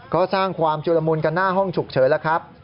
ก็สร้างความจุลมุนกันหน้าห้องฉุกเฉินแล้วครับ